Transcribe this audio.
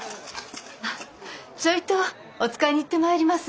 ちょいとお使いに行ってまいります。